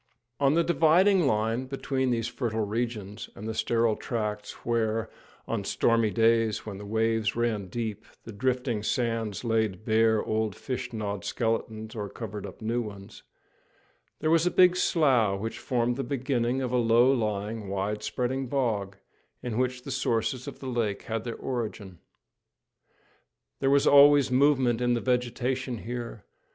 On the dividing line between these fertile regions and the sterile tracts where, on stormy days when the waves ran deep, the drifting sand laid bare old, fish gnawed skeletons, or covered up new ones, there was a big slough, which formed the beginning of a low lying, wide spreading bog, in which the sources of the lake had their origin. There was always movement in the vegetation here.